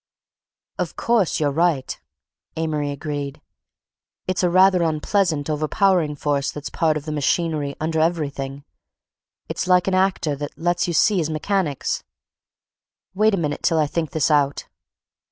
"Of course, you're right," Amory agreed. "It's a rather unpleasant overpowering force that's part of the machinery under everything. It's like an actor that lets you see his mechanics! Wait a minute till I think this out...."